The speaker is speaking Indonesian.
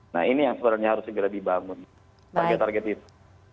nah ini yang sebenarnya harus segera dibangun target target itu